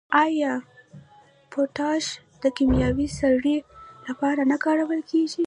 آیا پوټاش د کیمیاوي سرې لپاره نه کارول کیږي؟